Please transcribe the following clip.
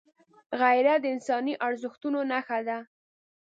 غیرت د انساني ارزښتونو نښه ده